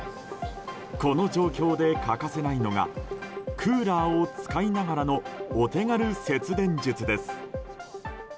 この状況で欠かせないのがクーラーを使いながらのお手軽節電術です。